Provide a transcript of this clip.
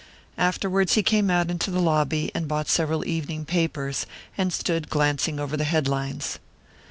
Afterwards he came out into the lobby, and bought several evening papers, and stood glancing over the head lines.